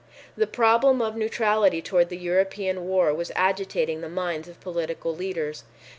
The problem of neutrality toward the European war was agitating the minds of political leaders.